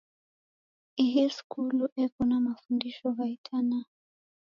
Ihii skulu eko na mafundisho gha itanaa.